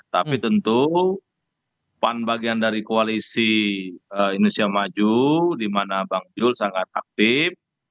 tapi tentu pan bagian dari koalisi indonesia maju di mana bang jul sangat aktif